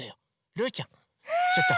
ルーちゃんちょっと。